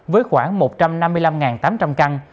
với khoảng một trăm năm mươi năm tám trăm linh căn